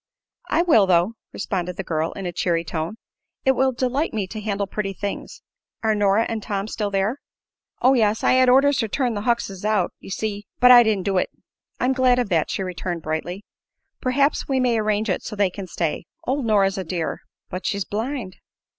"I will, though," responded the girl, in a cheery tone. "It will delight me to handle pretty things. Are Nora and Tom still there?" "Oh, yes. I had orders to turn the Huckses out, ye see; but I didn't do it." "I'm glad of that," she returned, brightly "Perhaps we may arrange it so they can stay. Old Nora's a dear." "But she's blind."